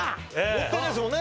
もったいないですもんね